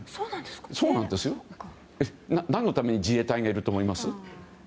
何のために自衛隊がいると思います？